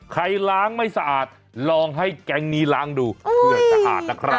ล้างไม่สะอาดลองให้แก๊งนี้ล้างดูเผื่อสะอาดนะครับ